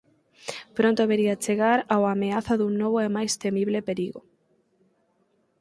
Pronto vería chegar ao ameaza dun novo e máis temible perigo.